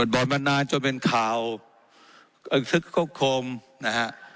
บ่อนมานานจนเป็นข่าวเอ่ยซึกโครงโครมนะฮะ